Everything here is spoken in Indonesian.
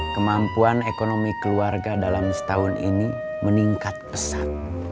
kemampuan ekonomi keluarga dalam setahun ini meningkat pesat